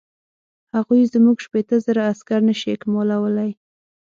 هغوی زموږ شپېته زره عسکر نه شي اکمالولای.